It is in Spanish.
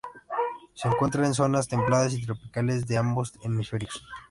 Se encuentra en zonas templadas y tropicales de ambos hemisferios.